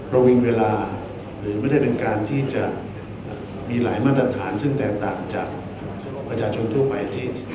โลวิงเวลาหรือมันได้เป็นการที่จะมีหลายมาตรฐานซึ่งแต่ต่างจากอเจอเนี่ยช่วงทั่วไปที่